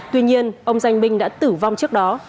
tuy nhiên ông danh binh đã tử vong trước đó